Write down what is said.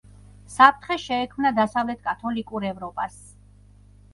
საფრთხე შეექმნა დასავლეთ კათოლიკურ ევროპას.